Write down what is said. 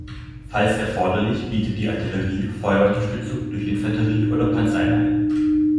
Falls erforderlich bietet die Artillerie Feuerunterstützung durch Infanterie oder Panzereinheiten.